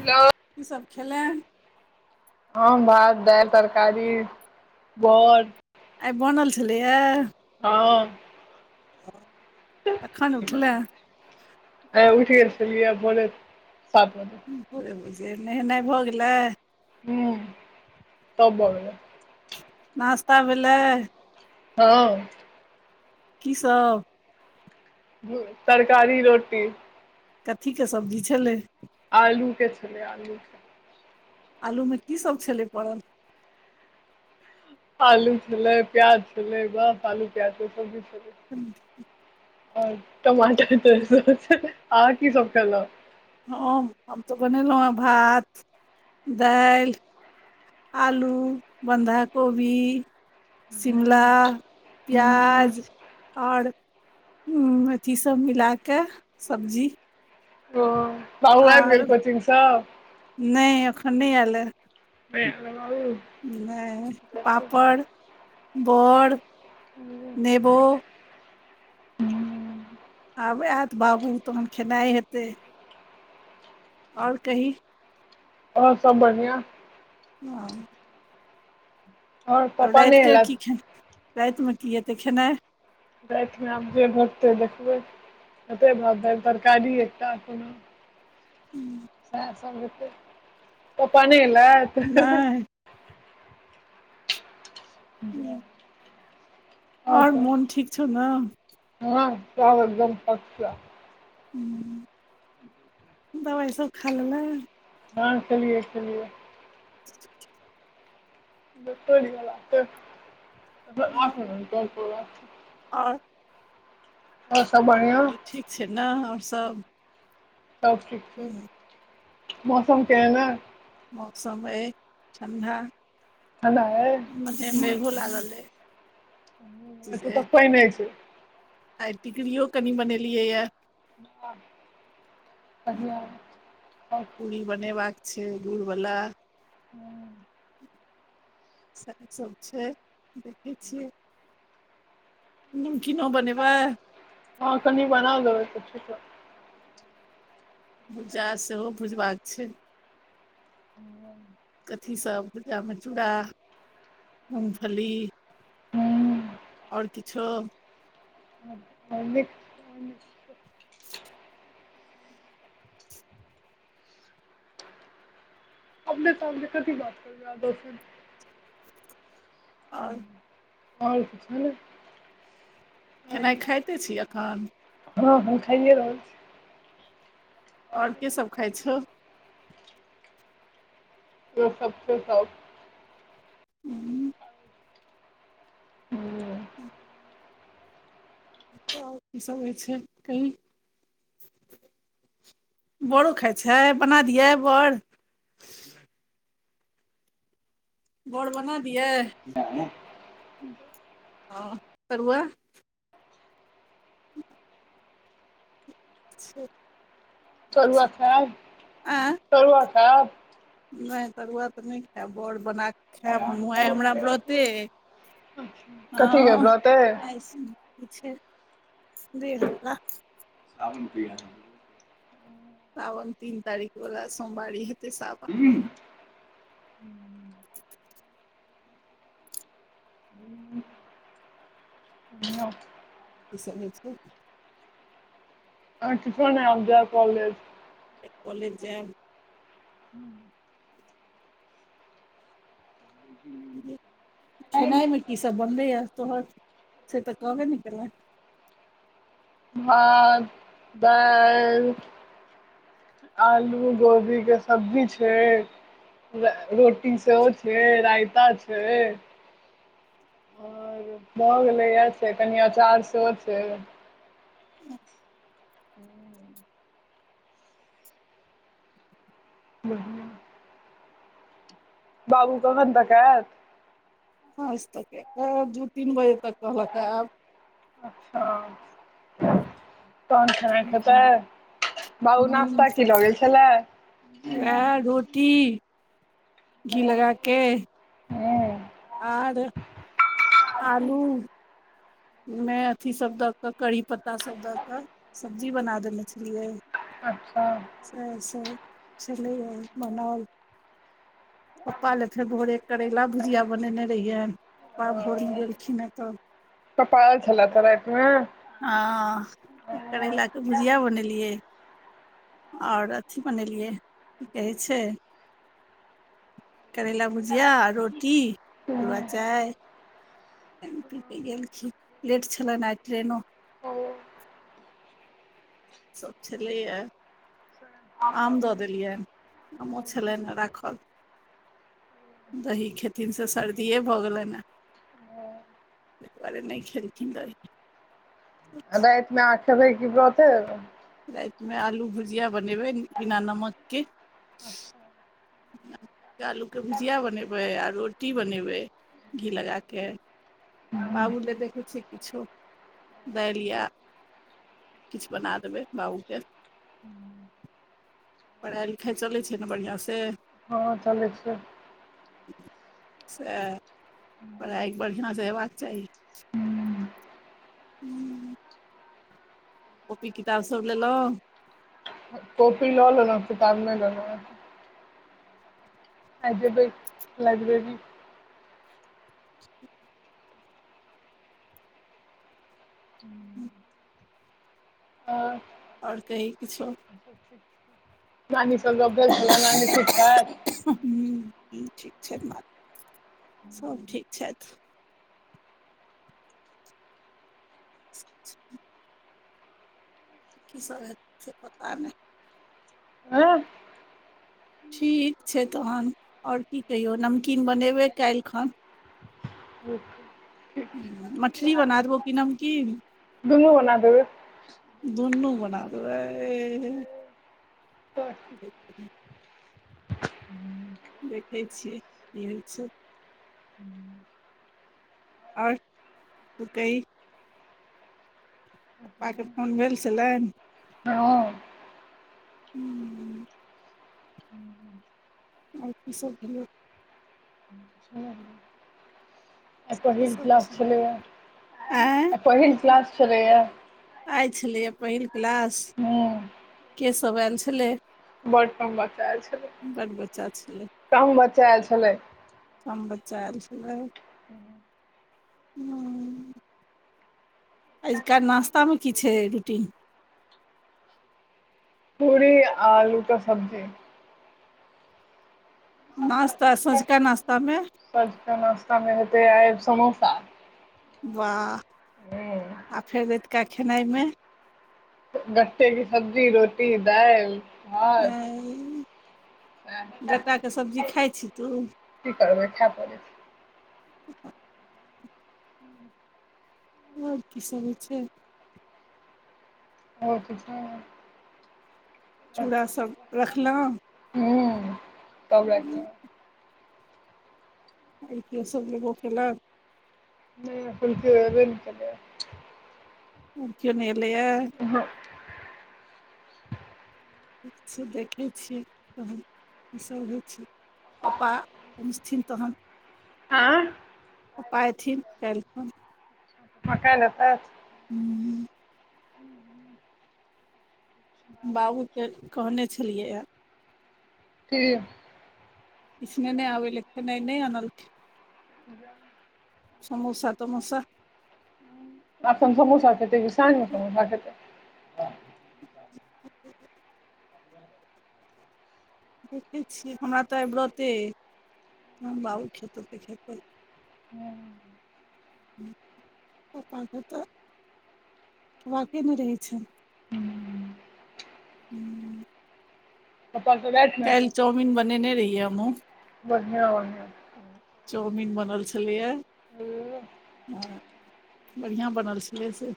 hello सभ खेलय हम भात दालि तरकारी बर आइ बनल छलैए हँ हँ हँ उठि गेल छलैय पोने सात बजे नेहेनाई भऽ गेलै हूँ सब भगेलै नश्ता भेलै हँ कीसभ तरकारी रोटी कथीके सब्जी छलै आलू के छलै आलू आलूमे की सब छलै पड़ल आलू छलै प्याज छलै बस आलू प्याज के सब्जी खलीयै [unintelligible] आओर टमाटर त आहाँ कि सब खेलै हम हम तऽ बनेलै है भात दालि आलू बन्धाकोबी शिमला प्याज ओर अथी सब मिलाकेऽ सब्जी ओ बाबू आबि आर गेल कोचिंग स नहि अखन नहि आयल ह [unintelligible] नहि पापड़ बड़ नेबो आब आयत बाबू तहन खेनाई हेतै ओर कही ओर सब बढ़ियां [unintelligible] आओर तब पापा नहि राति के की एलथि खेनाई रातिमे की हेतै खेनाई रातमे आब जे होतै देखबै हेतई भात दालि तरकारी एकटा कोनो [unintelligible] पप्पा नहि एलथ नहि [unintelligible] ओर मोन ठीक छौ ना हँ सभ एकदम फस्ट क्लास हु दबाई सब खालेलै हँ खेलियै खलियै [inaudible] [unintelligible] आँर आओर सब बढ़ियां छी ना हम सब सब ठीक छै मौसम केहनय मौसम अय ठण्डा ठण्डा अइ मने मेघो लागल एतऽ रहै तऽ पानि होछै आई टिकड़ियो कनि बनेलियै यऽ [unintelligible] बनेबाका छै गूड़ वला [unintelligible] सएह सब छै देखै छियै नमकीनो बनेबै हँ कनि बना देबै किछो भुज्जा सेहो भुजबाक छै हू [unintelligible] कथी सब भुजामे चूड़ा मूगफली हाँ, आओर किछो ह [inaudible] आन [inaudible] [inaudible] ताम क बात करू दोसर [inaudible] आओ [unintelligible] आ किछ ने [inaudible] केनाइ खाइते छी एखन हँ हम खाइए रहल छी ओर की सब खाई छ जे सब छै सब हूँ ह आ किसभ होइ छै कहीँ बड़ो खाइ छै बना दियै बड़ बर बना दियै ह तरुआ [unintelligible] से तरुआ खाइब आँय नहि तरुआ तऽ नहि खायब बड़ बना कऽ खायब हमहूँ आ हमरा बरते कथीके हँ व्रत अइ ठीक छै देह वला सावन प्रिया साावन तीन तारीख वला सोमवारी हेतै सावन दिन हू ह [inaudible] किसभ होइ छै ह किछन ह आब जा कॉलेज [inaudible] कॉलेज जाब हू [unintelligible] खेनाइमे की सब बनलैएा तोहर से तऽ कहबे नहि कलै भात दाल आलू गोभीके सब्जी छै र- रोटी सेहो छै रायता छै आओर भऽ गेलैए छै कनि अचार सेहो छै ह्म [unintelligible] [unintelligible] ह [inaudible] [inaudible] बाबू क [inaudible] खन त कत [inaudible] आज तब दू तीन बजे तक कहलका आएब अच्छा तन खेनाय खेतै बाबू नास्ता की लग गेल छलाय उएहा रोटी घी लगा के हू आर आलू मे अथी सभ दऽ कऽ करि पत्ता सब दऽ कऽ सब्जी बना देने छलियै अच्छा स सर छललै मनाल [unintelligible] [unintelligible] पप्पा ले फेर भोरे करैला भुजिया बनेने रहियैन पाब भोर मे गेलखिन हँ तऽ क पप्पा छला तऽ रातिमे [unintelligible] [unintelligible] हँ तऽ करैलाके भुजिया बनेलियै आओर अथी बनेलियै की कहै छै करैला भुजिया रोटी रुआ चाय पानि पीके गेलखिन लेट छलनि आई ट्रेनो सब छलैए [inaudible] [inaudible] आम दऽ देलियैनि आमो छलैनि हांराखल दही खेथिन से सर्दिेए भऽ गेलैनि ताहि दुआरे नहि खेल खिन दही तमे आखे भै की ब्रत ह [inaudible] [inaudible] रैतिमे आलू भुजिया बनेबै बिना नमकके आलूके भुजिया बनेबै आ रोटी बनेबै घी लगाके बाबुले देखै छियै किछो दालि या [unintelligible] [unintelligible] किछ बना देबै बाबूके पढ़ाई लिखाई चलै छै ने बढ़िआँसे हँ चलै छैय सेह पढ़ाई बढ़िआँसँ हेबाक चाही हूँ कॉपी किताब सभ लेलहुँ कॉपी लऽ ललेनाँ किताब नै लेलौ आई जेबयै लईबरेरी हूँ [unintelligible] आ और कही किछो नानी सब अभ्यास भेल नानी छीक ख [unintelligible] [unintelligible] हूँ ठीक छै नानी सब ठीक छैथ ह [unintelligible] [unintelligible] की सब हेतै पता नहि [unintelligible] [unintelligible] ठीक छै तहन आओर की कहियौ नमकीन बनेबै काल्हि खन ठीक छै [unintelligible] ह मठरी बना देबौ की नमकीन दुनू बनादेबै दुनू बना देबै ठीक [unintelligible] देखै छियै इही सब [unintelligible] हूँ आओर ओ कही पापा क फोन भेल छलनि हँ आई की सब भेलै [unintelligible] की पहिल सब क्लास छै छलेए आँय पहिल क्लास छलेए आयल छलैए पहिल क्लास हूँ केसभ आयल छलै बड कम बच्चा आयल छल बड बच्चा छलै कम बच्चा आयल छलै कम बच्चा आयल छलै हू हँ एजका नाश्तामे की छै रूटीन पूरी आलू क सब्जी नाश्ता सोझका नाश्तामे शाम क नाश्तामे हेतै आइ समोसा हूँ वाह आ फेर रतिका खेनाइमे गट्ठे की सब्जी रोटी दालि हँ गट्टाके सब्जी खाइ छी तू की करबै खा पड़ते आओर की सब होइ छै और किछो न चूड़ासभ रखलहुँ हू तब लाग आ सब लो केलक [unintelligible] नहि फुलक ओे न चलय [unintelligible] केयने अयले यो ह [unintelligible] छै देखै छियै तहन कीसभ होइ छै पापा पँथिन तहन आँ पापा इथिन काइल खन माँ काइल एथाइथ हूँ बाबूके कहने छलियैए की किस नहि आबै ले नहि नहि अनलके ज [unintelligible] समोसा तमोसा अखन समोसा खते की शाझ म ह [unintelligible] देखैत छियै हमरा तऽ आइ बरतै अय बाबू खेत ओतऽ खेतै हू पापा खेतय तऽ वाके मे रहै छन पापा तऽ रातमे अतय [inaudible] बनेने रहियै हमु बढ़िआ चौमीन बनल छलैए हँ बढ़िआँ बनल छलै से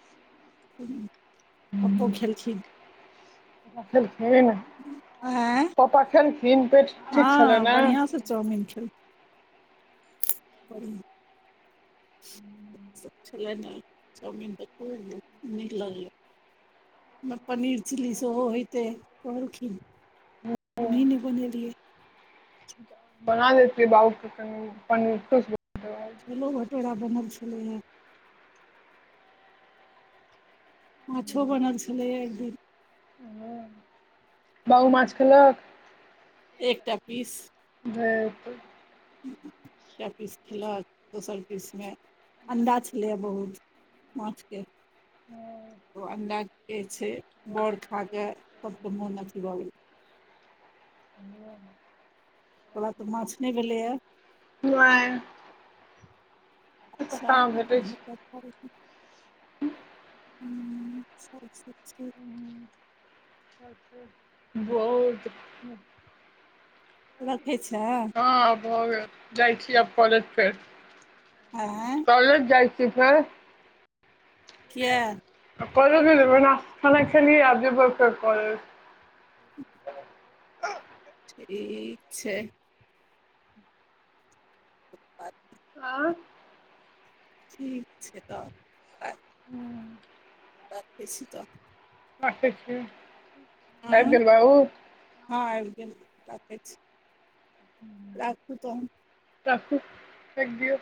पप्पो खेलखिन खेलखिन आँय पप्पा खेलखिन पेट ठीक छलै ने चौमिन खेल ह [unintelligible] सब छलै ने चौमिन तऽ खूब नीक लगले न पनीर चिली सेहो होइतै कहलखिन हमही नहि बनेलियै बना लैती बाऊ संगक छलो भटोरा बनल छलौ हए माछो बनल छलैए एक दिन हँ बाउ माछ खेलक एकटा पीस भ [inaudible] कए पीस खेलक दोसर पीसमे अणडा छलैए बहुत माछके ओ अंडाे के छै बड़ खाकऽ सबके मोन अथी भऽ गेल ह [inaudible] तोरा माछ नहि भेलैए [inaudible] एकर अच्छा कहाँ भेटै छै ह अ [inaudible] बहुत रखै छै हँ भऽ गेल जाइ छी आब काॅलेज फेर हँ [inaudible] कॉलेज जाइ छी फेर किया क को खान खेलिय आब जेबय फेर काॅलेज [inaudible] ठीक छै ब [inaudible] आँय ठीक छै तऽ राखे छी त राखे छै आबि हँ गेल बायोत हँ आब गेल राखै छी राखू तऽ राखू रैख दिओ